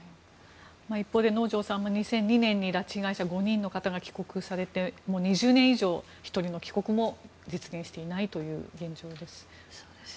一方で能條さん、２００２年に拉致被害者５人の方が帰国されて２０年以上、１人の帰国も実現していない現状です。